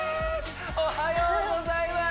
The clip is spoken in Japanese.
おはようございます！